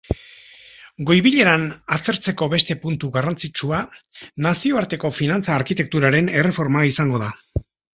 Goi-bileran aztertzeko beste puntu garrantzitsua nazioarteko finantza-arkitekturaren erreforma izango da.